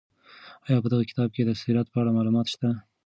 آیا په دغه کتاب کې د سیرت په اړه معلومات شته؟